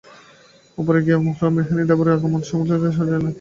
উপরে গিয়া হরিমোহিনী তাঁহার দেবরের আগমন-সংবাদ সুচরিতাকে জানাইলেন।